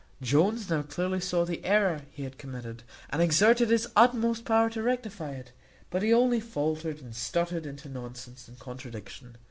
Jones now clearly saw the error he had committed, and exerted his utmost power to rectify it; but he only faultered and stuttered into nonsense and contradiction.